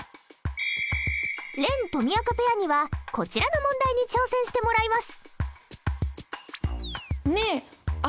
れんとみあかペアにはこちらの問題に挑戦してもらいます。